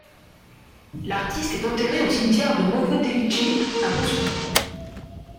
L'artiste est enterré au cimetière de Novodevitchi à Moscou.